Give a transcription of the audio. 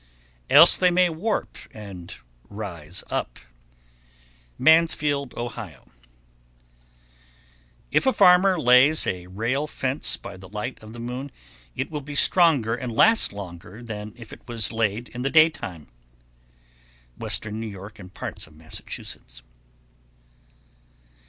Else they may warp and rise up. Mansfield, O. 1126. If a farmer lays a rail fence by the light of the moon, it will be stronger and last longer than if it was laid in the daytime. _Western New York and parts of Massachusetts.